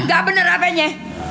gak bener apa nya